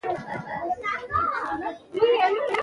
افغانستان د دښتې له پلوه له نورو هېوادونو سره اړیکې لري.